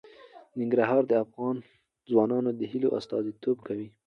ننګرهار د افغان ځوانانو د هیلو استازیتوب کوي.